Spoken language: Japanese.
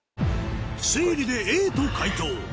推理でＡと解答